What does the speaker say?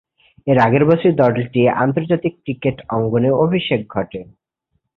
এর আগের বছরই দলটি আন্তর্জাতিক ক্রিকেট অঙ্গনে অভিষেক ঘটে।